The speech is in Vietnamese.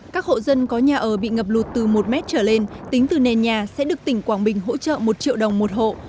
các hộ dân có nhà ở bị ngập lụt từ một mét trở lên tính từ nền nhà sẽ được tỉnh quảng bình hỗ trợ một triệu đồng một hộ